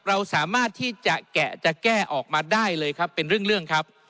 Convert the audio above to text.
เราสามารถที่จะแกะจะแก้ออกมาได้เลยครับเป็นเรื่องครับ